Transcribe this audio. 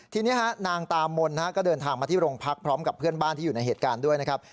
ทีนี้นางตามนก็เดินทางมาที่โรงพักพร้อมกับเพื่อนบ้านที่อยู่ในเหตุการณ์ด้วยนะครับ